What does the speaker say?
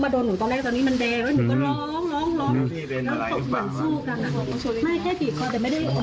แล้วหนูก็จังหวะเขาตกใจหนูก็เลยผิดเขาแล้วเขาก็เลยแบบ